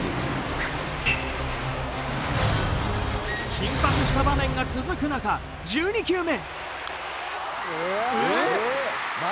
緊迫した場面が続くなか１２球目。